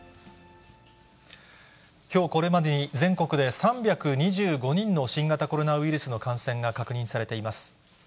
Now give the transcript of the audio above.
きょうこれまでに全国で３２５人の新型コロナウイルスの感染が確認されています。